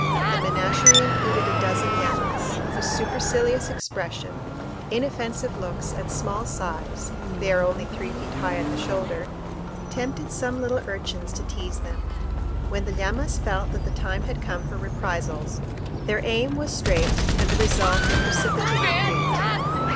The menagerie included a dozen llamas, whose supercilious expression, inoffensive looks, and small size they are only three feet high at the shoulder tempted some little urchins to tease them. When the llamas felt that the time had come for reprisals, their aim was straight and the result a precipitate retreat.